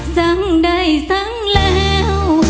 สังใดสังแล้ว